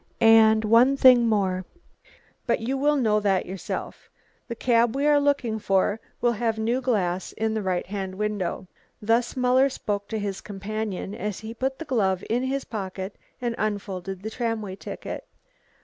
And one thing more, but you will know that yourself, the cab we are looking for will have new glass in the right hand window." Thus Muller spoke to his companion as he put the glove into his pocket and unfolded the tramway ticket.